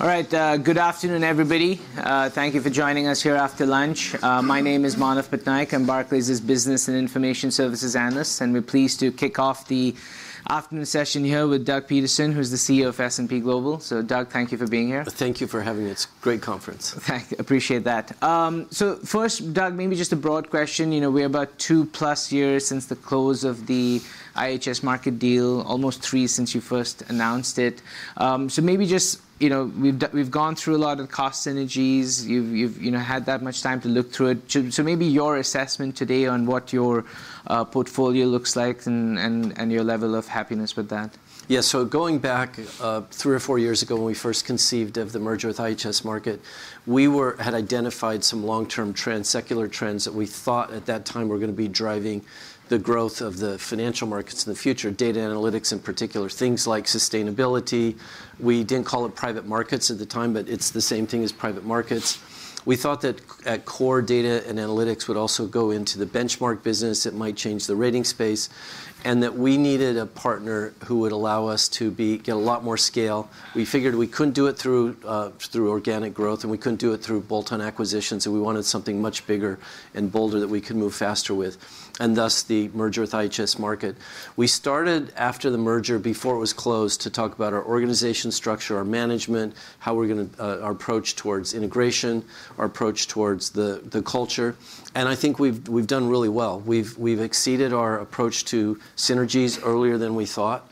All right, good afternoon, everybody. Thank you for joining us here after lunch. My name is Manav Patnaik, I'm Barclays' Business and Information Services analyst, and we're pleased to kick off the afternoon session here with Doug Peterson, who's the CEO of S&P Global. So Doug, thank you for being here. Thank you for having us. Great conference. Thank you. Appreciate that. So first, Doug, maybe just a broad question. You know, we're about two plus years since the close of the IHS Markit deal, almost three since you first announced it. So maybe just, you know, we've gone through a lot of cost synergies. You've you know had that much time to look through it. So maybe your assessment today on what your portfolio looks like and your level of happiness with that. Yeah, so going back three or four years ago when we first conceived of the merger with IHS Markit, we had identified some long-term trends, secular trends, that we thought at that time were gonna be driving the growth of the financial markets in the future, data analytics in particular, things like sustainability. We didn't call it private markets at the time, but it's the same thing as private markets. We thought that at core, data and analytics would also go into the benchmark business, it might change the rating space, and that we needed a partner who would allow us to get a lot more scale. We figured we couldn't do it through organic growth, and we couldn't do it through bolt-on acquisitions, and we wanted something much bigger and bolder that we could move faster with, and thus, the merger with IHS Markit. We started after the merger, before it was closed, to talk about our organization structure, our management, how we're gonna our approach towards integration, our approach towards the, the culture, and I think we've, we've done really well. We've, we've exceeded our approach to synergies earlier than we thought.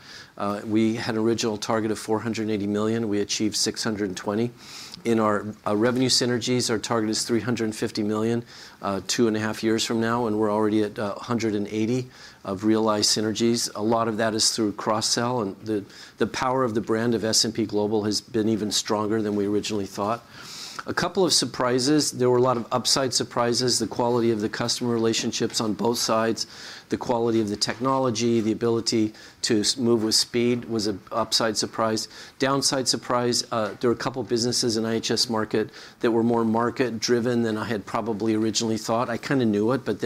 We had an original target of $480 million. We achieved $620 million. In our revenue synergies, our target is $350 million two and a half years from now, and we're already at $180 million of realized synergies. A lot of that is through cross-sell, and the, the power of the brand of S&P Global has been even stronger than we originally thought. A couple of surprises. There were a lot of upside surprises, the quality of the customer relationships on both sides, the quality of the technology, the ability to move with speed was an upside surprise. Downside surprise, there were a couple businesses in IHS Markit that were more market-driven than I had probably originally thought. I kind of knew it, but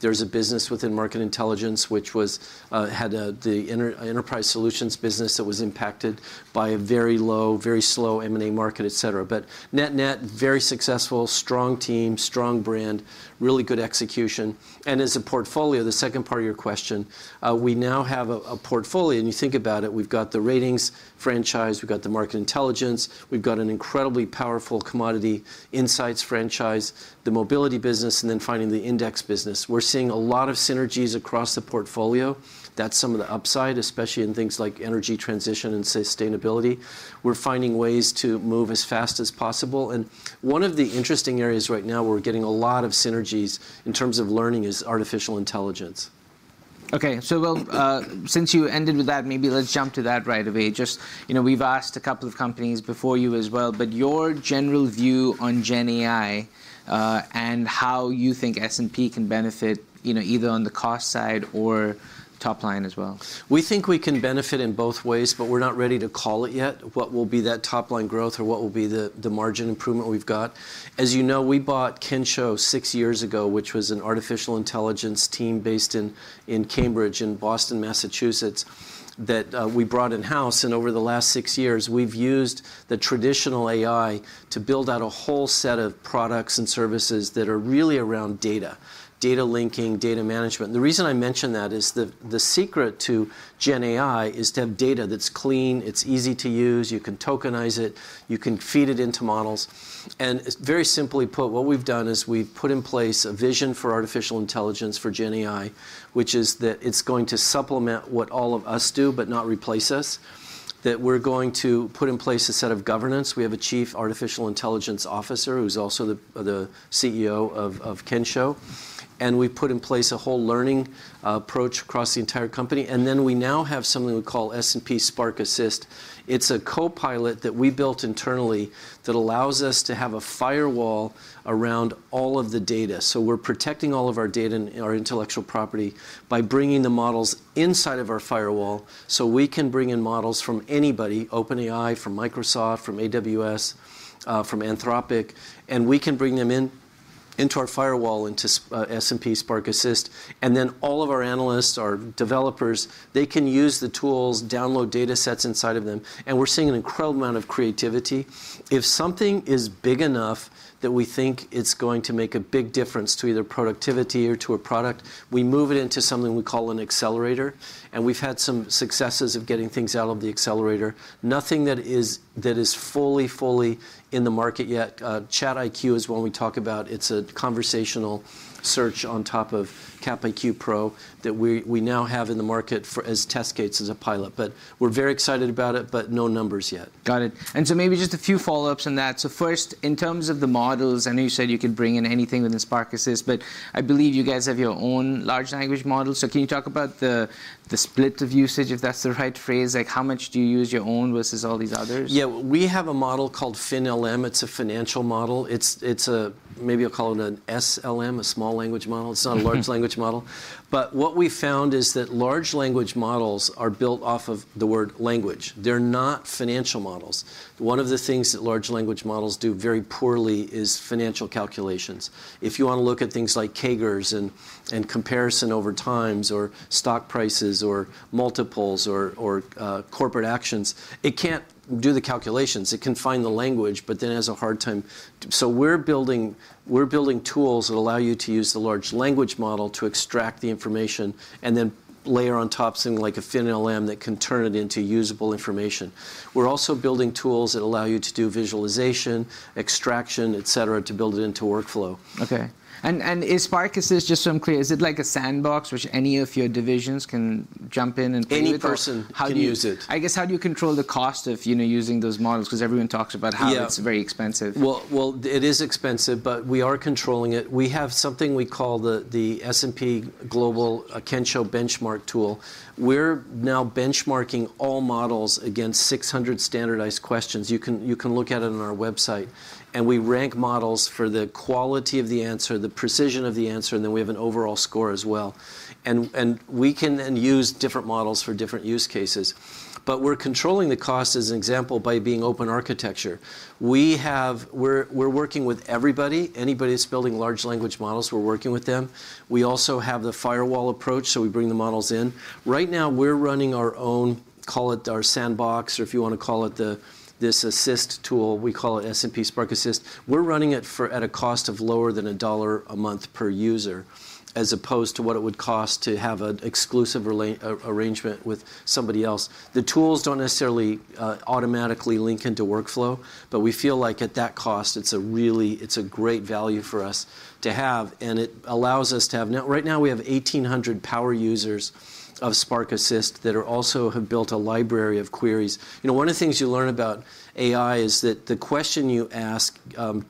then there's a business within Market Intelligence, which was, had, the Enterprise Solutions business that was impacted by a very low, very slow M&A market, et cetera. But net-net, very successful, strong team, strong brand, really good execution, and as a portfolio, the second part of your question, we now have a, a portfolio, and you think about it, we've got the ratings franchise, we've got the Market Intelligence, we've got an incredibly powerful Commodity Insights franchise, the mobility business, and then finally, the index business. We're seeing a lot of synergies across the portfolio. That's some of the upside, especially in things like energy transition and sustainability. We're finding ways to move as fast as possible, and one of the interesting areas right now where we're getting a lot of synergies in terms of learning, is artificial intelligence. Okay. So well, since you ended with that, maybe let's jump to that right away. Just, you know, we've asked a couple of companies before you as well, but your general view on GenAI, and how you think S&P can benefit, you know, either on the cost side or top line as well. We think we can benefit in both ways, but we're not ready to call it yet, what will be that top-line growth or what will be the margin improvement we've got. As you know, we bought Kensho six years ago, which was an artificial intelligence team based in Cambridge, in Boston, Massachusetts, that we brought in-house, and over the last six years, we've used the traditional AI to build out a whole set of products and services that are really around data: data linking, data management. And the reason I mention that is the secret to GenAI is to have data that's clean, it's easy to use, you can tokenize it, you can feed it into models. Very simply put, what we've done is we've put in place a vision for artificial intelligence, for GenAI, which is that it's going to supplement what all of us do, but not replace us, that we're going to put in place a set of governance. We have a Chief Artificial Intelligence Officer, who's also the CEO of Kensho, and we've put in place a whole learning approach across the entire company. Then we now have something we call S&P Spark Assist. It's a co-pilot that we built internally that allows us to have a firewall around all of the data, so we're protecting all of our data and our intellectual property by bringing the models inside of our firewall, so we can bring in models from anybody, OpenAI, from Microsoft, from AWS, from Anthropic, and we can bring them in. Into our firewall, into S&P Spark Assist, and then all of our analysts, our developers, they can use the tools, download data sets inside of them, and we're seeing an incredible amount of creativity. If something is big enough that we think it's going to make a big difference to either productivity or to a product, we move it into something we call an accelerator, and we've had some successes of getting things out of the accelerator. Nothing that is fully in the market yet. ChatIQ is one we talk about. It's a conversational search on top of CapIQ Pro that we now have in the market as test gates as a pilot, but we're very excited about it, but no numbers yet. Got it. And so maybe just a few follow-ups on that. So first, in terms of the models, I know you said you could bring in anything within Spark Assist, but I believe you guys have your own large language model. So can you talk about the split of usage, if that's the right phrase? Like, how much do you use your own versus all these others? Yeah. We have a model called FinLM. It's a financial model. It's, it's a maybe I'll call it an SLM, a small language model. It's not a large language model. But what we found is that large language models are built off of the word language. They're not financial models. One of the things that large language models do very poorly is financial calculations. If you want to look at things like CAGRs and, and comparison over times, or stock prices or multiples or, or, corporate actions, it can't do the calculations. It can find the language, but then it has a hard time. So we're building, we're building tools that allow you to use the large language model to extract the information, and then layer on top something like a FinLM that can turn it into usable information. We're also building tools that allow you to do visualization, extraction, et cetera, to build it into workflow. Okay. And is Spark Assist, just so I'm clear, is it like a sandbox, which any of your divisions can jump in and. Any person. How do you? can use it. I guess, how do you control the cost of, you know, using those models? Because everyone talks about how. Yeah It's very expensive. Well, it is expensive, but we are controlling it. We have something we call the S&P Global Kensho Benchmark tool. We're now benchmarking all models against 600 standardized questions. You can look at it on our website, and we rank models for the quality of the answer, the precision of the answer, and then we have an overall score as well. We can then use different models for different use cases. But we're controlling the cost, as an example, by being open architecture. We're working with everybody. Anybody that's building large language models, we're working with them. We also have the firewall approach, so we bring the models in. Right now, we're running our own, call it our sandbox, or if you want to call it this Assist tool, we call it S&P Spark Assist. We're running it at a cost lower than $1 a month per user, as opposed to what it would cost to have an exclusive relationship arrangement with somebody else. The tools don't necessarily automatically link into workflow, but we feel like at that cost, it's really a great value for us to have, and it allows us to have. Now, right now, we have 1,800 power users of Spark Assist that are also have built a library of queries. You know, one of the things you learn about AI is that the question you ask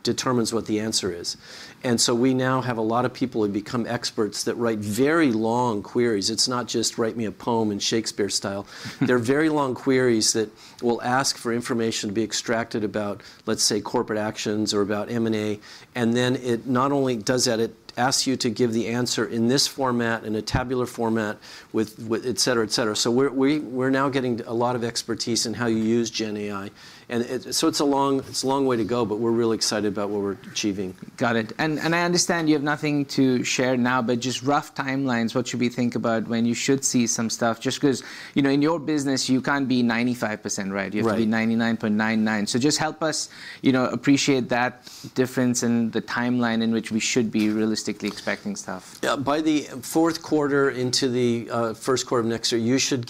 determines what the answer is, and so we now have a lot of people who become experts that write very long queries. It's not just, "Write me a poem in Shakespeare style." They're very long queries that will ask for information to be extracted about, let's say, corporate actions or about M&A, and then it not only does that, it asks you to give the answer in this format, in a tabular format, with et cetera, et cetera. So we're now getting a lot of expertise in how you use GenAI, and it, so it's a long way to go, but we're really excited about what we're achieving. Got it. And I understand you have nothing to share now, but just rough timelines, what should we think about when you should see some stuff? Just because, you know, in your business, you can't be 95% right. Right. You have to be 99.99. Just help us, you know, appreciate that difference and the timeline in which we should be realistically expecting stuff. Yeah, by the Q4 into the Q1 of next year, you should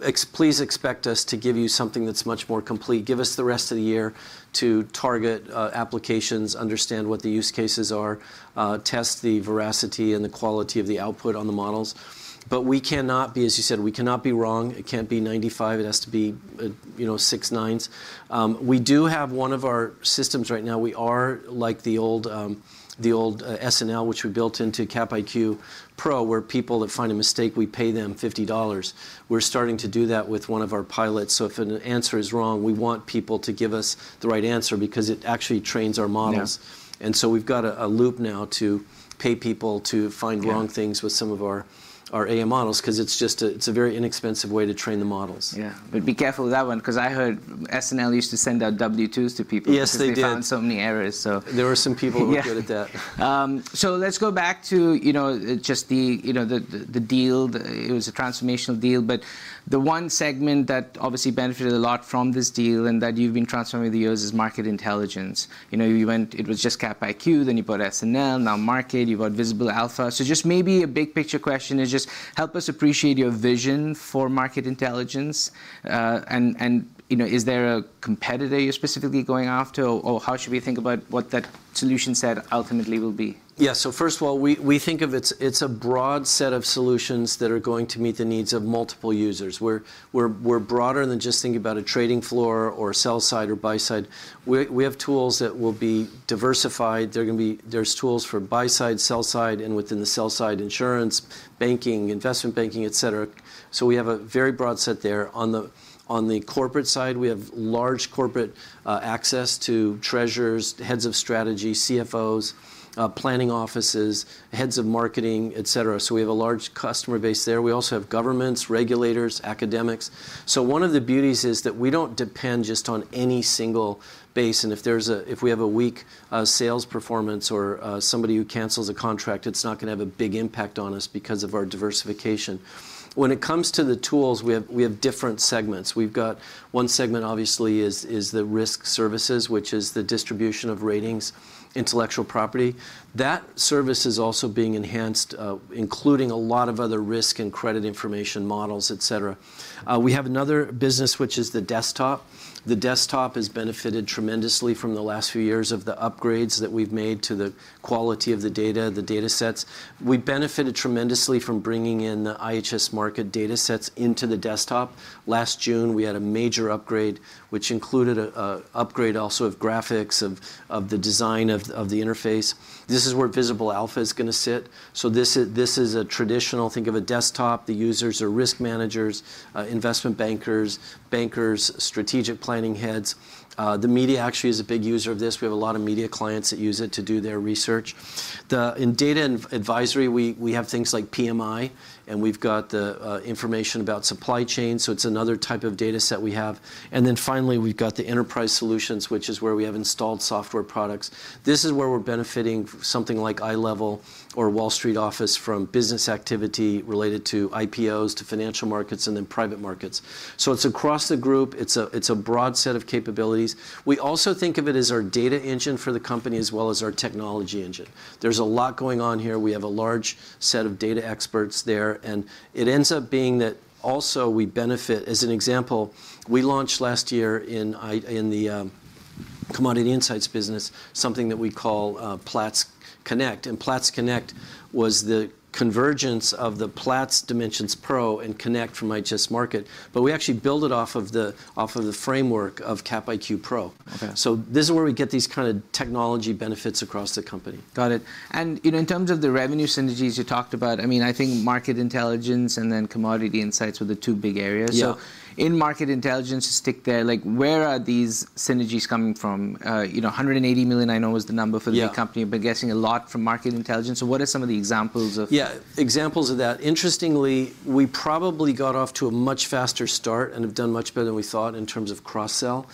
get, please expect us to give you something that's much more complete. Give us the rest of the year to target applications, understand what the use cases are, test the veracity and the quality of the output on the models. But we cannot be, as you said, we cannot be wrong. It can't be 95. It has to be, you know, six nines. We do have one of our systems right now, we are like the old S&L, which we built into CapIQ Pro, where people that find a mistake, we pay them $50. We're starting to do that with one of our pilots, so if an answer is wrong, we want people to give us the right answer because it actually trains our models. Yeah. And so we've got a loop now to pay people to find. Yeah .Wrong things with some of our, our AI models, 'cause it's just a, it's a very inexpensive way to train the models. Yeah. But be careful with that one, 'cause I heard S&L used to send out W-2s to people. Yes, they did. Because they found so many errors, so. There were some people. Yeah Who were good at that. So let's go back to, you know, just the deal. It was a transformational deal, but the one segment that obviously benefited a lot from this deal and that you've been transforming over the years is Market Intelligence. You know, you went, it was just CapIQ, then you bought S&L, now Market Scan, you've got Visible Alpha. So just maybe a big-picture question is just help us appreciate your vision for Market Intelligence. And you know, is there a competitor you're specifically going after, or how should we think about what that solution set ultimately will be? Yeah. So first of all, we think of it as a broad set of solutions that are going to meet the needs of multiple users, where we're broader than just thinking about a trading floor or a sell side or buy side. We have tools that will be diversified. They're gonna be tools for buy side, sell side, and within the sell side, insurance, banking, investment banking, et cetera. So we have a very broad set there. On the corporate side, we have large corporate access to treasurers, heads of strategy, CFOs, planning offices, heads of marketing, et cetera. So we have a large customer base there. We also have governments, regulators, academics. So one of the beauties is that we don't depend just on any single base, and if there's a if we have a weak sales performance or somebody who cancels a contract, it's not gonna have a big impact on us because of our diversification. When it comes to the tools, we have different segments. We've got one segment, obviously, is the risk services, which is the distribution of ratings, intellectual property. That service is also being enhanced, including a lot of other risk and credit information models, et cetera. We have another business, which is the desktop. The desktop has benefited tremendously from the last few years of the upgrades that we've made to the quality of the data, the datasets. We benefited tremendously from bringing in the IHS Markit datasets into the desktop. Last June, we had a major upgrade, which included a upgrade also of graphics, of the design of the interface. This is where Visible Alpha is gonna sit. So this is a traditional, think of a desktop. The users are risk managers, investment bankers, bankers, strategic planning heads. The media actually is a big user of this. We have a lot of media clients that use it to do their research. In data and advisory, we have things like PMI, and we've got the information about supply chain, so it's another type of dataset we have. And then finally, we've got the Enterprise Solutions, which is where we have installed software products. This is where we're benefiting something like iLEVEL or Wall Street Office from business activity related to IPOs, to financial markets, and then private markets. So it's across the group. It's a broad set of capabilities. We also think of it as our data engine for the company, as well as our technology engine. There's a lot going on here. We have a large set of data experts there, and it ends up being that we also benefit. As an example, we launched last year in the Commodity Insights business something that we call Platts Connect, and Platts Connect was the convergence of the Platts Dimensions Pro and Connect from IHS Markit. But we actually built it off of the framework of CapIQ Pro. Okay. This is where we get these kind of technology benefits across the company. Got it. And, you know, in terms of the revenue synergies you talked about, I mean, I think market intelligence and then Commodity Insights were the two big areas. Yeah. So in market intelligence, to stick there, like, where are these synergies coming from? You know, $180 million I know is the number for. Yeah The company, but getting a lot from market intelligence. So what are some of the examples of. Yeah, examples of that, interestingly, we probably got off to a much faster start and have done much better than we thought in terms of cross-sell.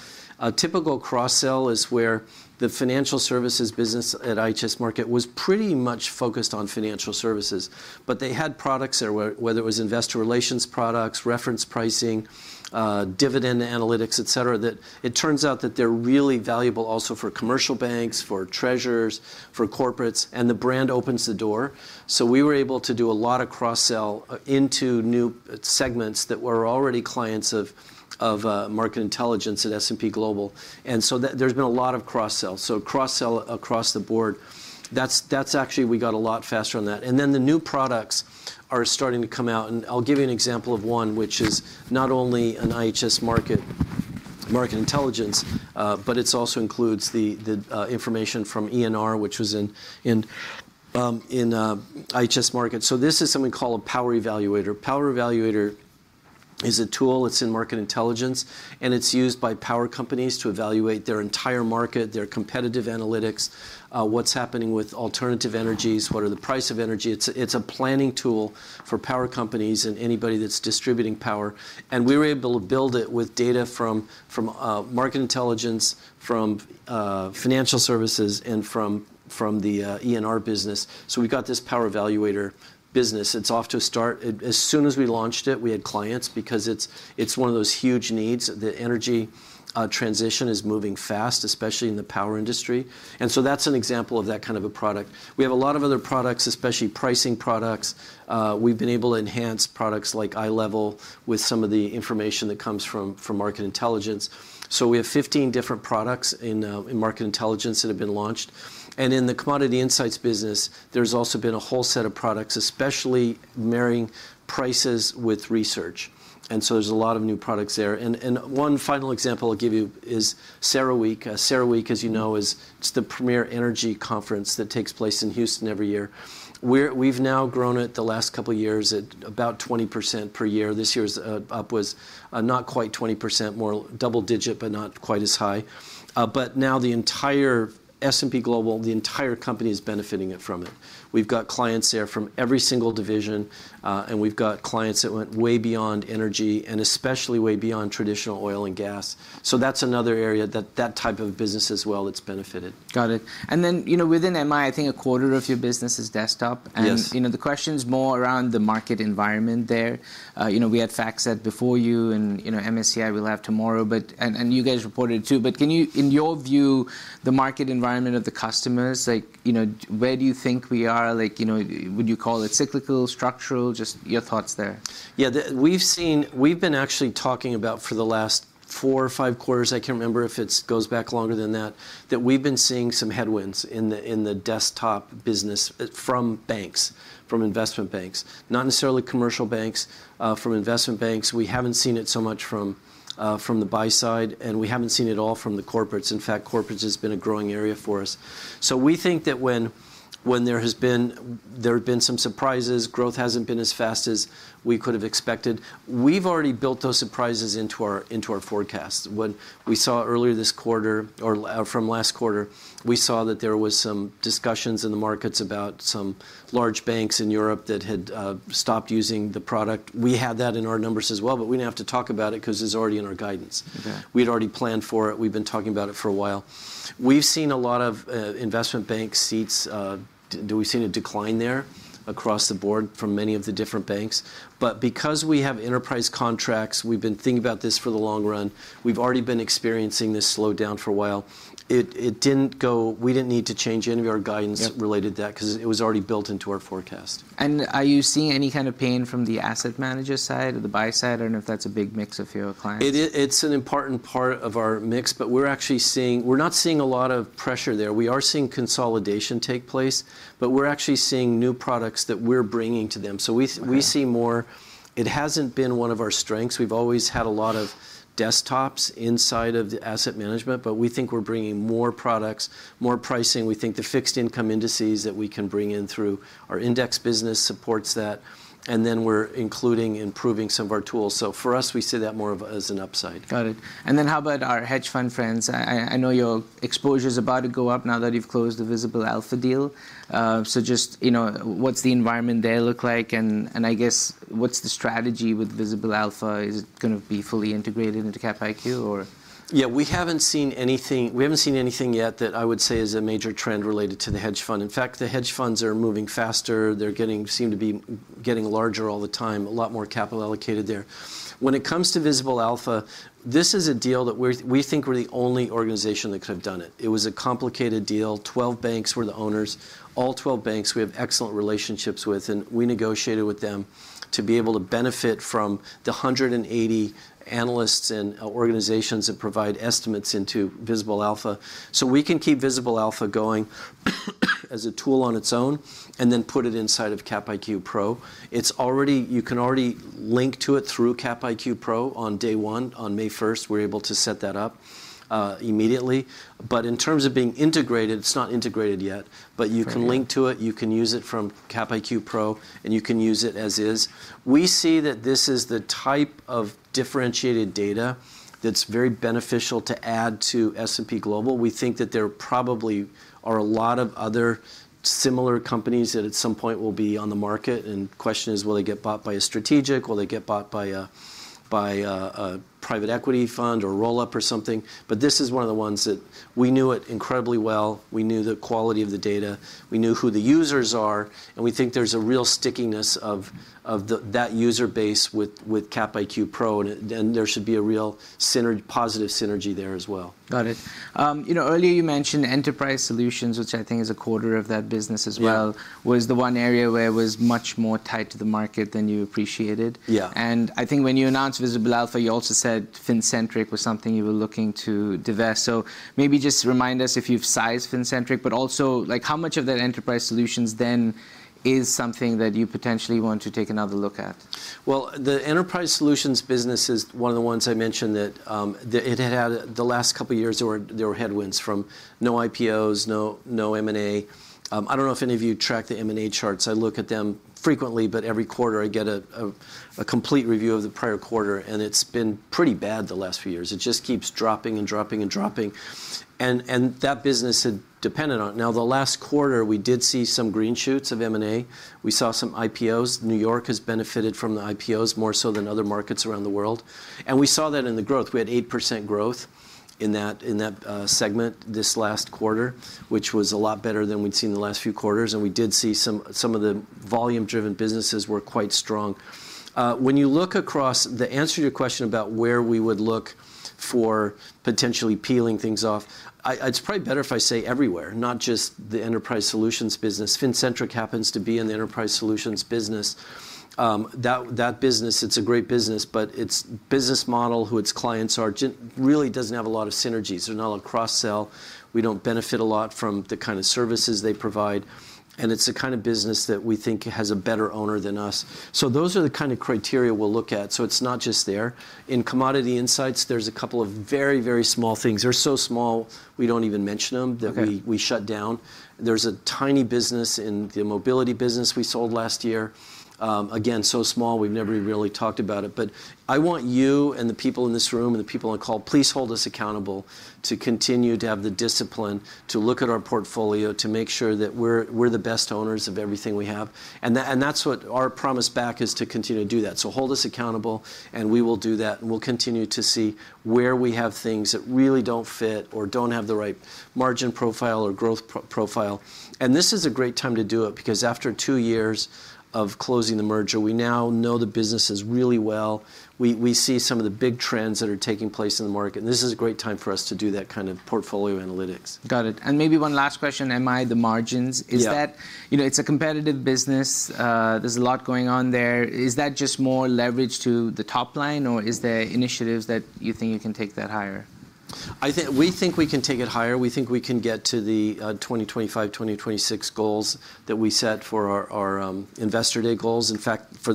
A typical cross-sell is where the financial services business at IHS Markit was pretty much focused on financial services. But they had products there, whether it was investor relations products, reference pricing, dividend analytics, et cetera, that it turns out that they're really valuable also for commercial banks, for treasurers, for corporates, and the brand opens the door. So we were able to do a lot of cross-sell into new segments that were already clients of Market Intelligence at S&P Global. And so there's been a lot of cross-sell, so cross-sell across the board. That's, that's actually we got a lot faster on that. And then, the new products are starting to come out, and I'll give you an example of one, which is not only an IHS Markit Market Intelligence, but it's also includes the information from ENR, which was in IHS Markit. So this is something called Power Evaluator. Power Evaluator is a tool that's in Market Intelligence, and it's used by power companies to evaluate their entire market, their competitive analytics, what's happening with alternative energies, what are the price of energy. It's a planning tool for power companies and anybody that's distributing power, and we were able to build it with data from Market Intelligence, from Financial Services, and from the ENR business. So we got this Power Evaluator business. It's off to a start. As soon as we launched it, we had clients because it's, it's one of those huge needs. The energy transition is moving fast, especially in the power industry. And so that's an example of that kind of a product. We have a lot of other products, especially pricing products. We've been able to enhance products like iLEVEL with some of the information that comes from, from Market Intelligence. So we have 15 different products in, in Market Intelligence that have been launched. And in the Commodity Insights business, there's also been a whole set of products, especially marrying prices with research, and so there's a lot of new products there. And, and one final example I'll give you is CERAWeek. CERAWeek, as you know, is, it's the premier energy conference that takes place in Houston every year. We've now grown it the last couple of years at about 20% per year. This year's up was not quite 20%, more double-digit, but not quite as high. But now the entire S&P Global, the entire company is benefiting it from it. We've got clients there from every single division, and we've got clients that went way beyond energy and especially way beyond traditional oil and gas. So that's another area that that type of business as well, it's benefited. Got it. And then, you know, within MI, I think a quarter of your business is desktop. Yes. You know, the question's more around the market environment there. You know, we had FactSet before you, and, you know, MSCI we'll have tomorrow, but and you guys reported it, too. But can you? In your view, the market environment of the customers, like, you know, where do you think we are? Like, you know, would you call it cyclical, structural? Just your thoughts there. Yeah, we've seen. We've been actually talking about for the last four or five quarters. I can't remember if it goes back longer than that, that we've been seeing some headwinds in the desktop business from banks, from investment banks. Not necessarily commercial banks, from investment banks. We haven't seen it so much from the buy side, and we haven't seen it at all from the corporates. In fact, corporates has been a growing area for us. So we think that when there have been some surprises, growth hasn't been as fast as we could have expected. We've already built those surprises into our forecast. When we saw earlier this quarter or from last quarter, we saw that there was some discussions in the markets about some large banks in Europe that had stopped using the product. We had that in our numbers as well, but we didn't have to talk about it because it's already in our guidance. Okay. We'd already planned for it. We've been talking about it for a while. We've seen a lot of investment bank seats. Do we see a decline there across the board from many of the different banks? But because we have enterprise contracts, we've been thinking about this for the long run. We've already been experiencing this slowdown for a while. We didn't need to change any of our guidance. Yep Related to that 'cause it was already built into our forecast. Are you seeing any kind of pain from the asset manager side or the buy side? I don't know if that's a big mix of your clients. It is, it's an important part of our mix, but we're actually seeing, we're not seeing a lot of pressure there. We are seeing consolidation take place, but we're actually seeing new products that we're bringing to them. Okay. So we, we see more. It hasn't been one of our strengths. We've always had a lot of desktops inside of the asset management, but we think we're bringing more products, more pricing. We think the fixed income indices that we can bring in through our index business supports that, and then we're including improving some of our tools. So for us, we see that more of, as an upside. Got it. And then how about our hedge fund friends? I know your exposure is about to go up now that you've closed the Visible Alpha deal. So just, you know, what's the environment there look like? And I guess, what's the strategy with Visible Alpha? Is it gonna be fully integrated into CapIQ or? Yeah, we haven't seen anything, we haven't seen anything yet that I would say is a major trend related to the hedge fund. In fact, the hedge funds are moving faster. They're getting, seem to be getting larger all the time. A lot more capital allocated there. When it comes to Visible Alpha, this is a deal that we're, we think we're the only organization that could have done it. It was a complicated deal, 12 banks were the owners. All 12 banks, we have excellent relationships with, and we negotiated with them to be able to benefit from the 180 analysts and organizations that provide estimates into Visible Alpha. So we can keep Visible Alpha going, as a tool on its own, and then put it inside of CapIQ Pro. It's already, you can already link to it through CapIQ Pro on day one. On 1 May 2024, we're able to set that up immediately. But in terms of being integrated, it's not integrated yet, but you. Right You can link to it, you can use it from CapIQ Pro, and you can use it as is. We see that this is the type of differentiated data that's very beneficial to add to S&P Global. We think that there probably are a lot of other similar companies that at some point will be on the market, and the question is, will they get bought by a strategic, or by a private equity fund, or roll up or something? But this is one of the ones that we knew it incredibly well, we knew the quality of the data, we knew who the users are, and we think there's a real stickiness of that user base with CapIQ Pro, and there should be a real synergy—positive synergy there as well. Got it. You know, earlier you mentioned enterprise solutions, which I think is a quarter of that business as well. Yeah Was the one area where it was much more tied to the market than you appreciated. Yeah. I think when you announced Visible Alpha, you also said Fincentric was something you were looking to divest. Maybe just remind us if you've sized Fincentric, but also, like, how much of that Enterprise Solutions then is something that you potentially want to take another look at? Well, the Enterprise Solutions business is one of the ones I mentioned that it had had the last couple of years were there were headwinds from no IPOs, no M&A. I don't know if any of you track the M&A charts. I look at them frequently, but every quarter I get a complete review of the prior quarter, and it's been pretty bad the last few years. It just keeps dropping and dropping and dropping. And that business had depended on. Now, the last quarter, we did see some green shoots of M&A. We saw some IPOs. New York has benefited from the IPOs more so than other markets around the world. And we saw that in the growth. We had 8% growth in that segment this last quarter, which was a lot better than we'd seen in the last few quarters, and we did see some of the volume-driven businesses were quite strong. To answer your question about where we would look for potentially peeling things off, it's probably better if I say everywhere, not just the Enterprise Solutions business. Fincentric happens to be in the Enterprise Solutions business. That business, it's a great business, but its business model, who its clients are, really doesn't have a lot of synergies. They're not a cross-sell, we don't benefit a lot from the kind of services they provide, and it's the kind of business that we think has a better owner than us. So those are the kind of criteria we'll look at, so it's not just there. In Commodity Insights, there's a couple of very, very small things. They're so small, we don't even mention them. Okay That we, we shut down. There's a tiny business in the mobility business we sold last year. Again, so small, we've never really talked about it. But I want you and the people in this room and the people on the call, please hold us accountable to continue to have the discipline to look at our portfolio, to make sure that we're, we're the best owners of everything we have. And that, and that's what our promise back is to continue to do that. So hold us accountable, and we will do that, and we'll continue to see where we have things that really don't fit or don't have the right margin profile or growth profile. And this is a great time to do it, because after two years of closing the merger, we now know the businesses really well. We see some of the big trends that are taking place in the market, and this is a great time for us to do that kind of portfolio analytics. Got it. Maybe one last question, MI, the margins. Yeah Is that, you know, it's a competitive business, there's a lot going on there. Is that just more leverage to the top line, or is there initiatives that you think you can take that higher? I think we think we can take it higher. We think we can get to the 2025, 2026 goals that we set for our Investor Day goals. In fact, for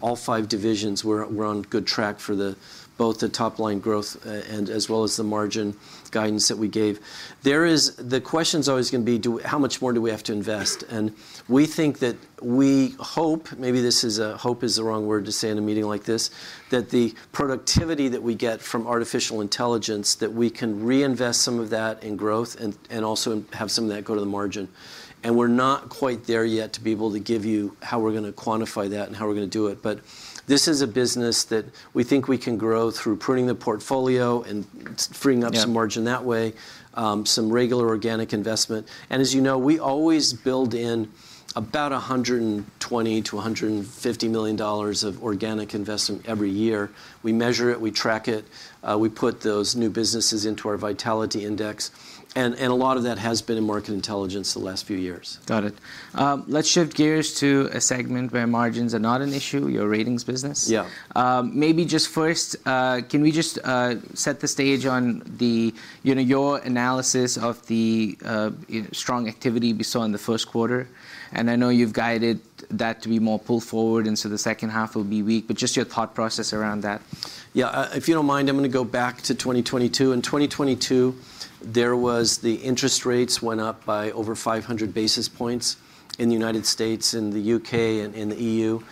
all five divisions, we're on good track for both the top-line growth and as well as the margin guidance that we gave. The question's always going to be, how much more do we have to invest? And we think that we hope, maybe this is hope is the wrong word to say in a meeting like this, that the productivity that we get from artificial intelligence that we can reinvest some of that in growth and also have some of that go to the margin. And we're not quite there yet to be able to give you how we're going to quantify that and how we're going to do it, but this is a business that we think we can grow through pruning the portfolio and freeing up. Yeah Some margin that way, some regular organic investment. And as you know, we always build in about $120 million-$150 million of organic investment every year. We measure it, we track it, we put those new businesses into our vitality index, and a lot of that has been in market intelligence the last few years. Got it. Let's shift gears to a segment where margins are not an issue, your ratings business. Yeah. Maybe just first, can we just set the stage on the, you know, your analysis of the strong activity we saw in the Q1? And I know you've guided that to be more pull forward, and so the H2 will be weak, but just your thought process around that. Yeah, if you don't mind, I'm going to go back to 2022. In 2022, the interest rates went up by over 500 basis points in the United States and the U.K., and in the E.U.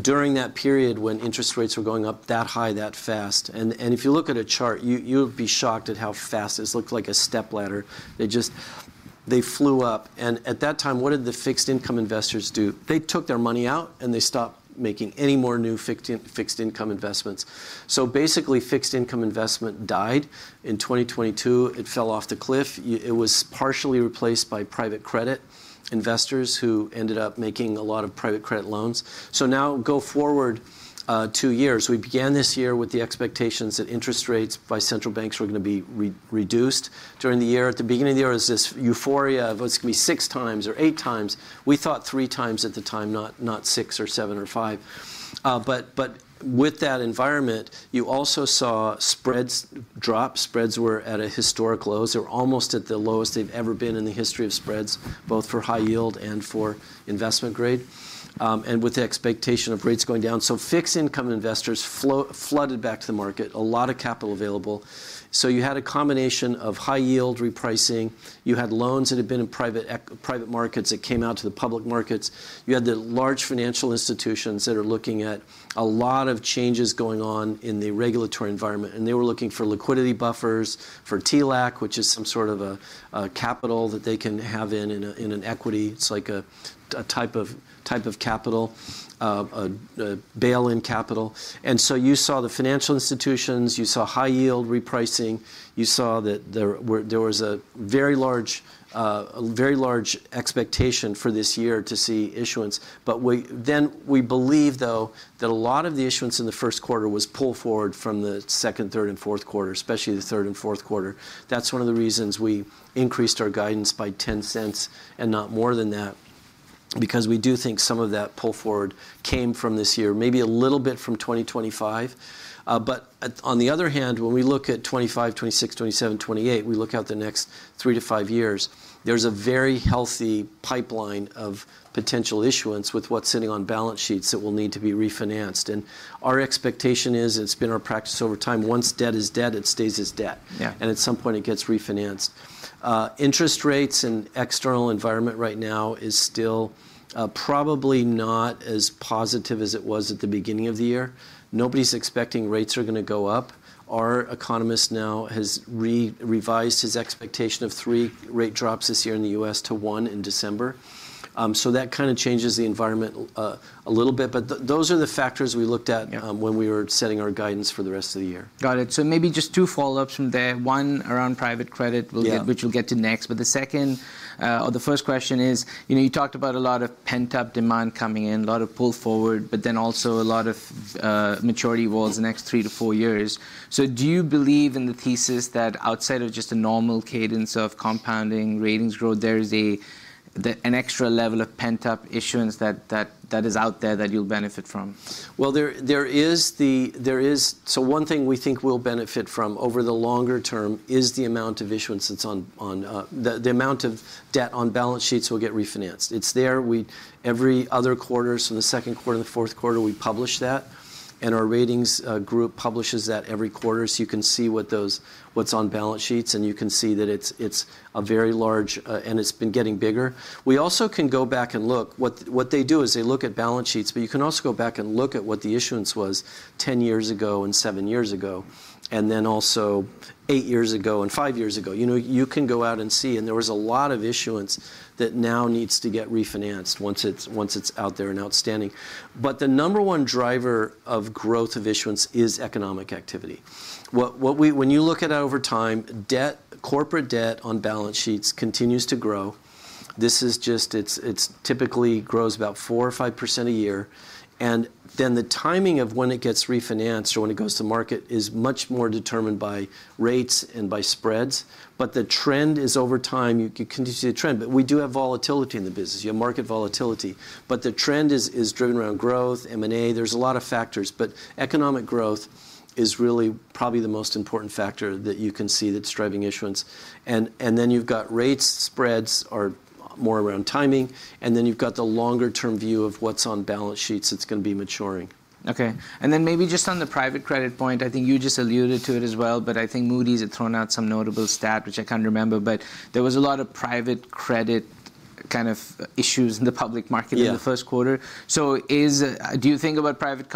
During that period when interest rates were going up that high, that fast, and if you look at a chart, you'll be shocked at how fast. This looked like a stepladder. They just flew up, and at that time, what did the fixed income investors do? They took their money out, and they stopped making any more new fixed income investments. So basically, fixed income investment died in 2022. It fell off the cliff. It was partially replaced by private credit investors, who ended up making a lot of private credit loans. So now go forward two years. We began this year with the expectations that interest rates by central banks were gonna be reduced during the year. At the beginning of the year, it was this euphoria of it's gonna be six times or eight times. We thought three times at the time, not six or seven or five. But with that environment, you also saw spreads drop. Spreads were at a historic lows. They were almost at the lowest they've ever been in the history of spreads, both for high yield and for investment grade, and with the expectation of rates going down. So fixed income investors flooded back to the market, a lot of capital available. So you had a combination of high yield repricing. You had loans that had been in private markets that came out to the public markets. You had the large financial institutions that are looking at a lot of changes going on in the regulatory environment, and they were looking for liquidity buffers, for TLAC, which is some sort of a capital that they can have in an equity. It's like a type of capital, a bail-in capital. And so you saw the financial institutions, you saw high yield repricing, you saw that there was a very large expectation for this year to see issuance. But then we believe, though, that a lot of the issuance in the Q1 was pulled forward from the Q2, Q3, and Q4, especially the Q3 and Q4. That's one of the reasons we increased our guidance by $0.10 and not more than that, because we do think some of that pull forward came from this year, maybe a little bit from 2025. But on the other hand, when we look at 2025, 2026, 2027, 2028, we look out the next three to five years, there's a very healthy pipeline of potential issuance with what's sitting on balance sheets that will need to be refinanced. And our expectation is, it's been our practice over time, once debt is debt, it stays as debt. Yeah. At some point, it gets refinanced. Interest rates and external environment right now is still probably not as positive as it was at the beginning of the year. Nobody's expecting rates are gonna go up. Our economist now has revised his expectation of three rate drops this year in the U.S. to one in December. So that kinda changes the environment a little bit, but those are the factors we looked at. Yeah When we were setting our guidance for the rest of the year. Got it. So maybe just two follow-ups from there, one around private credit, we'll get. Yeah Which we'll get to next. But the second, or the first question is, you know, you talked about a lot of pent-up demand coming in, a lot of pull forward, but then also a lot of maturity over the next three to four years. So do you believe in the thesis that outside of just a normal cadence of compounding ratings growth, there is an extra level of pent-up issuance that is out there that you'll benefit from? Well, there is the, there is so one thing we think we'll benefit from over the longer term is the amount of issuance that's on the amount of debt on balance sheets will get refinanced. It's there. We every other quarter, so the Q2, the Q4, we publish that, and our ratings group publishes that every quarter. So you can see what's on balance sheets, and you can see that it's a very large and it's been getting bigger. We also can go back and look. What they do is they look at balance sheets, but you can also go back and look at what the issuance was 10 years ago and seven years ago, and then also eight years ago, and five years ago. You know, you can go out and see, and there was a lot of issuance that now needs to get refinanced once it's, once it's out there and outstanding. But the number one driver of growth of issuance is economic activity. What, what we, when you look at over time, debt, corporate debt on balance sheets continues to grow. This is just, it's, it's typically grows about 4% or 5% a year, and then the timing of when it gets refinanced or when it goes to market is much more determined by rates and by spreads. But the trend is over time, you can continue to see a trend, but we do have volatility in the business. You have market volatility, but the trend is, is driven around growth, M&A. There's a lot of factors, but economic growth is really probably the most important factor that you can see that's driving issuance. And then you've got rates, spreads are more around timing, and then you've got the longer-term view of what's on balance sheets that's gonna be maturing. Okay, and then maybe just on the private credit point, I think you just alluded to it as well, but I think Moody's had thrown out some notable stat, which I can't remember, but there was a lot of private credit kind of issues in the public market. Yeah In the Q1. So, do you think about private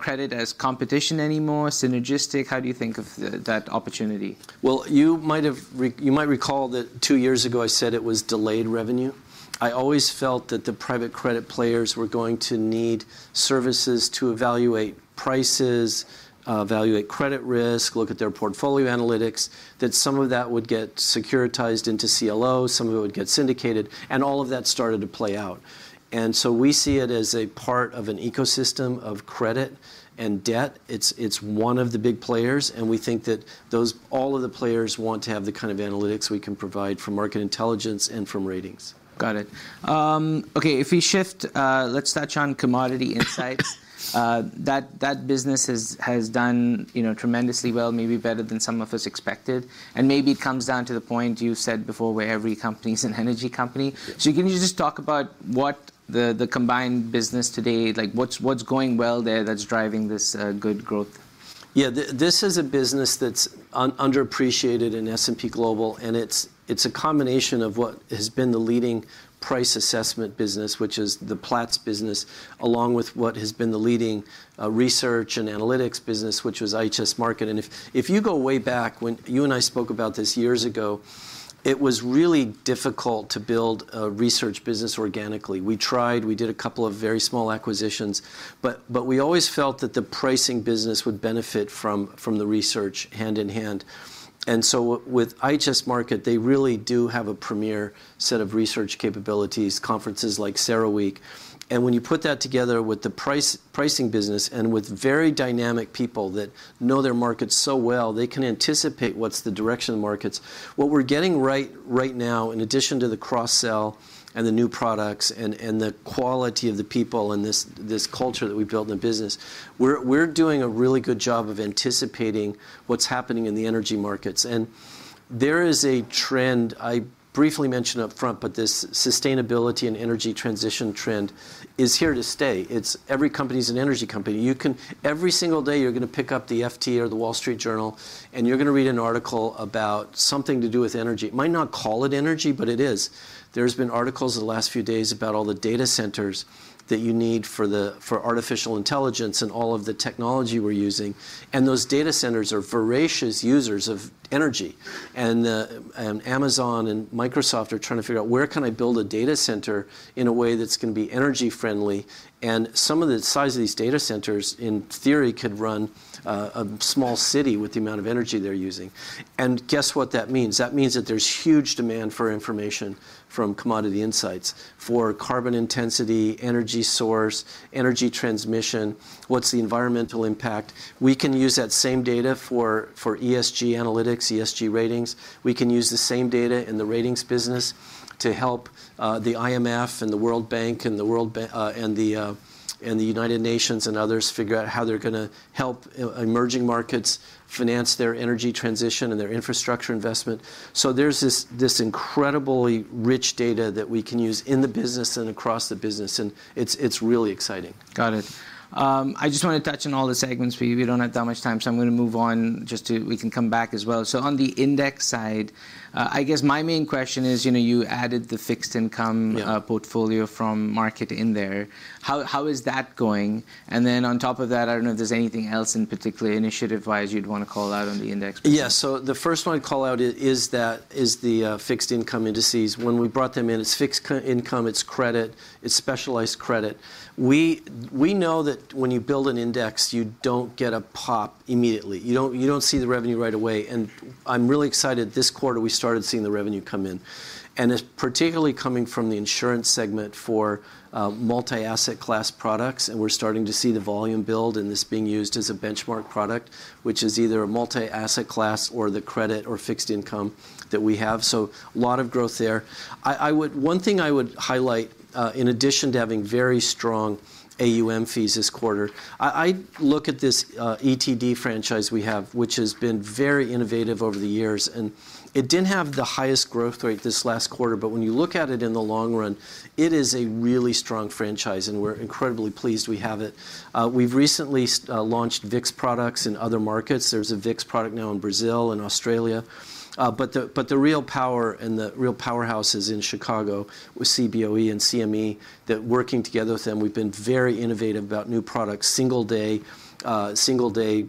credit as competition anymore? Synergistic? How do you think of that opportunity? Well, you might recall that two years ago, I said it was delayed revenue. I always felt that the private credit players were going to need services to evaluate prices, evaluate credit risk, look at their portfolio analytics, that some of that would get securitized into CLO, some of it would get syndicated, and all of that started to play out. And so we see it as a part of an ecosystem of credit and debt. It's one of the big players, and we think that those, all of the players want to have the kind of analytics we can provide from market intelligence and from ratings. Got it. Okay, if we shift, let's touch on Commodity Insights. That business has done, you know, tremendously well, maybe better than some of us expected, and maybe it comes down to the point you said before, where every company's an energy company. Yeah. Can you just talk about what the combined business today, like, what's going well there that's driving this good growth? Yeah, this is a business that's underappreciated in S&P Global, and it's a combination of what has been the leading price assessment business, which is the Platts business, along with what has been the leading research and analytics business, which was IHS Markit. And if you go way back, when you and I spoke about this years ago, it was really difficult to build a research business organically. We tried, we did a couple of very small acquisitions, but we always felt that the pricing business would benefit from the research hand-in-hand. And so with IHS Markit, they really do have a premier set of research capabilities, conferences like CERAWeek. And when you put that together with the pricing business and with very dynamic people that know their markets so well, they can anticipate what's the direction of the markets. What we're getting right, right now, in addition to the cross-sell and the new products, and, and the quality of the people, and this, this culture that we've built in the business, we're, we're doing a really good job of anticipating what's happening in the energy markets. There is a trend I briefly mentioned up front, but this sustainability and energy transition trend is here to stay. It's every company is an energy company. Every single day, you're gonna pick up the FT or the Wall Street Journal, and you're gonna read an article about something to do with energy. It might not call it energy, but it is. There's been articles in the last few days about all the data centers that you need for the, for artificial intelligence and all of the technology we're using, and those data centers are voracious users of energy. Amazon and Microsoft are trying to figure out, "Where can I build a data center in a way that's gonna be energy-friendly?" And some of the size of these data centers, in theory, could run a small city with the amount of energy they're using. And guess what that means? That means that there's huge demand for information from Commodity Insights, for carbon intensity, energy source, energy transmission, what's the environmental impact? We can use that same data for ESG analytics, ESG ratings. We can use the same data in the ratings business to help the IMF and the World Bank, and the United Nations and others figure out how they're gonna help emerging markets finance their energy transition and their infrastructure investment. So there's this, this incredibly rich data that we can use in the business and across the business, and it's, it's really exciting. Got it. I just want to touch on all the segments for you. We don't have that much time, so I'm gonna move on just to... We can come back as well. So on the index side, I guess my main question is, you know, you added the fixed income. Yeah Portfolio from Markit in there. How, how is that going? And then on top of that, I don't know if there's anything else in particular, initiative-wise, you'd want to call out on the index? Yeah, so the first one I'd call out is the fixed income indices. When we brought them in, it's fixed income, it's credit, it's specialized credit. We know that when you build an index, you don't get a pop immediately. You don't, you don't see the revenue right away, and I'm really excited. This quarter, we started seeing the revenue come in, and it's particularly coming from the insurance segment for multi-asset class products, and we're starting to see the volume build, and it's being used as a benchmark product, which is either a multi-asset class or the credit or fixed income that we have, so a lot of growth there. One thing I would highlight, in addition to having very strong AUM fees this quarter, I look at this ETD franchise we have, which has been very innovative over the years, and it didn't have the highest growth rate this last quarter, but when you look at it in the long run, it is a really strong franchise, and we're incredibly pleased we have it. We've recently launched VIX products in other markets. There's a VIX product now in Brazil and Australia. But the real power and the real powerhouse is in Chicago, with CBOE and CME, that working together with them, we've been very innovative about new products: single day single day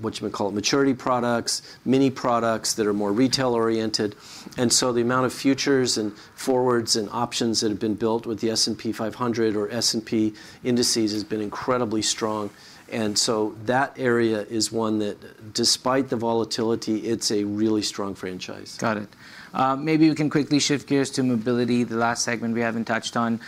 whatchamacallit maturity products, mini products that are more retail-oriented. The amount of futures and forwards and options that have been built with the S&P 500 or S&P indices has been incredibly strong, and so that area is one that, despite the volatility, it's a really strong franchise. Got it. Maybe we can quickly shift gears to Mobility, the last segment we haven't touched on.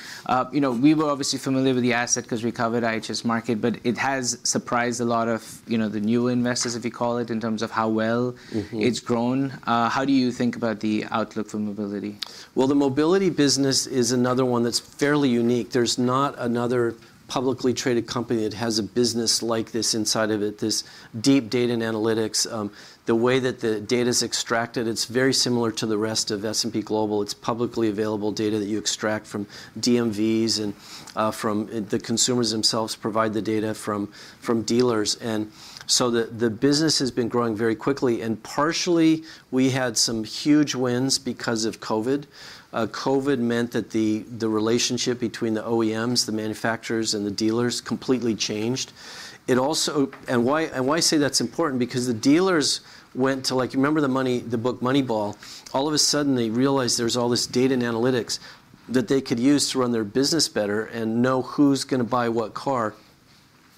You know, we were obviously familiar with the asset 'cause we covered IHS Markit, but it has surprised a lot of, you know, the new investors, if you call it, in terms of how well. Mm-hmm It's grown. How do you think about the outlook for Mobility? Well, the Mobility business is another one that's fairly unique. There's not another publicly traded company that has a business like this inside of it, this deep data and analytics. The way that the data's extracted, it's very similar to the rest of S&P Global. It's publicly available data that you extract from DMVs and the consumers themselves provide the data from dealers. And so the business has been growing very quickly, and partially, we had some huge wins because of COVID. COVID meant that the relationship between the OEMs, the manufacturers, and the dealers completely changed. It also... And why I say that's important, because the dealers went to, like, you remember the book Moneyball? All of a sudden, they realized there's all this data and analytics that they could use to run their business better and know who's gonna buy what car.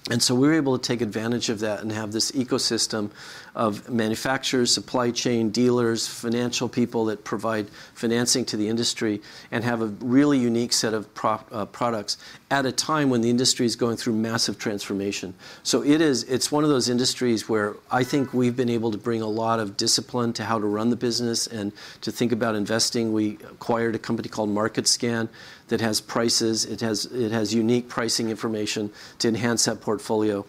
And so we were able to take advantage of that and have this ecosystem of manufacturers, supply chain, dealers, financial people that provide financing to the industry, and have a really unique set of products at a time when the industry is going through massive transformation. So it is, it's one of those industries where I think we've been able to bring a lot of discipline to how to run the business and to think about investing. We acquired a company called MarketScan that has prices. It has, it has unique pricing information to enhance that portfolio.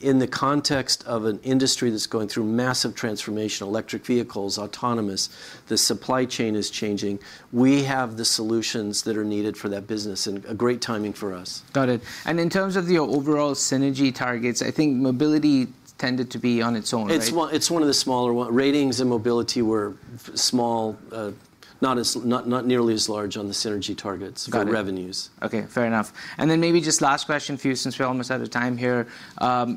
In the context of an industry that's going through massive transformation, electric vehicles, autonomous, the supply chain is changing, we have the solutions that are needed for that business, and a great timing for us. Got it. And in terms of the overall synergy targets, I think Mobility tended to be on its own, right? It's one of the smaller one. Ratings and Mobility were small parts, not nearly as large on the synergy targets. Got it. For revenues. Okay, fair enough. And then maybe just last question for you, since we're almost out of time here.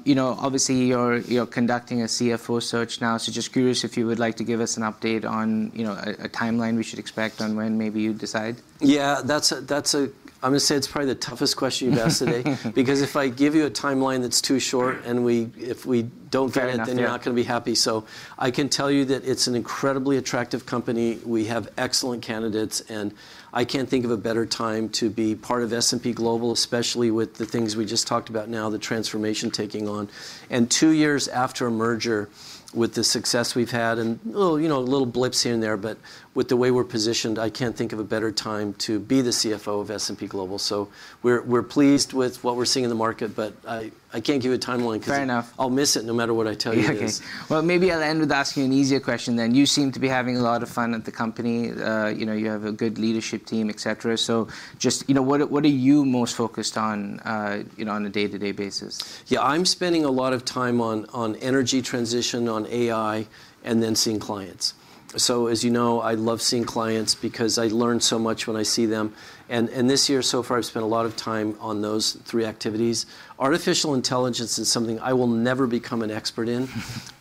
You know, obviously, you're conducting a CFO search now, so just curious if you would like to give us an update on, you know, a timeline we should expect on when maybe you'd decide? Yeah, that's a, I'm gonna say it's probably the toughest question you've asked today. Because if I give you a timeline that's too short, if we don't get it. Fair enough. Then you're not gonna be happy. So I can tell you that it's an incredibly attractive company. We have excellent candidates, and I can't think of a better time to be part of S&P Global, especially with the things we just talked about now, the transformation taking on. And two years after a merger, with the success we've had, and little, you know, little blips here and there, but with the way we're positioned, I can't think of a better time to be the CFO of S&P Global. So we're, we're pleased with what we're seeing in the market, but I, I can't give you a timeline, 'cause. Fair enough I'll miss it no matter what I tell you it is. Okay. Well, maybe I'll end with asking you an easier question then. You seem to be having a lot of fun at the company. You know, you have a good leadership team, et cetera. So just, you know, what are, what are you most focused on, you know, on a day-to-day basis? Yeah, I'm spending a lot of time on energy transition, on AI, and then seeing clients. So as you know, I love seeing clients because I learn so much when I see them, and this year so far, I've spent a lot of time on those three activities. Artificial intelligence is something I will never become an expert in.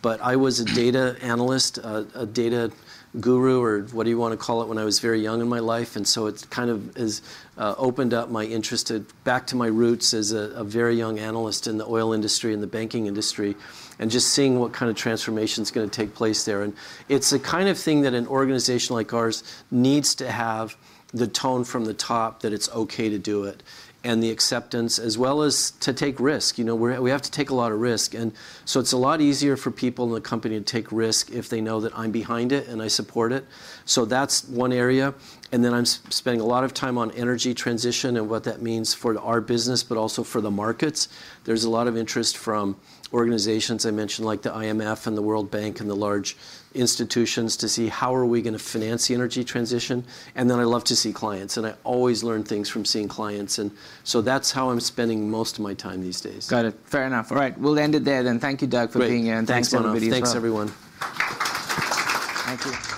But I was a data analyst, a data guru, or what do you wanna call it, when I was very young in my life, and so it kind of has opened up my interest back to my roots as a very young analyst in the oil industry and the banking industry, and just seeing what kind of transformation's gonna take place there. It's the kind of thing that an organization like ours needs to have the tone from the top that it's okay to do it, and the acceptance, as well as to take risk. You know, we have to take a lot of risk, and so it's a lot easier for people in the company to take risk if they know that I'm behind it and I support it. So that's one area, and then I'm spending a lot of time on energy transition and what that means for our business, but also for the markets. There's a lot of interest from organizations I mentioned, like the IMF and the World Bank, and the large institutions, to see how are we gonna finance the energy transition. And then I love to see clients, and I always learn things from seeing clients, and so that's how I'm spending most of my time these days. Got it. Fair enough. All right, we'll end it there then. Thank you, Doug. Great For being here. Thanks, Manav. Thanks, everybody, as well. Thanks, everyone. Thank you.